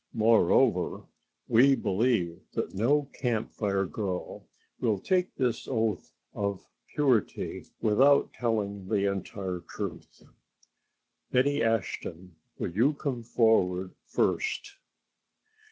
Moreover, we believe that no Camp Fire girl will take this oath of purity without telling the entire truth. Betty Ashton will you come forward first."